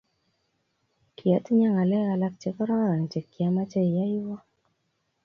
Kiatinye ngalek alak chekororon che kiamoche iyoiwo